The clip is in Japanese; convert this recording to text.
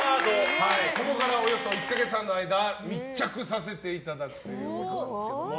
ここからおよそ１か月半の間密着させていただくということですけども。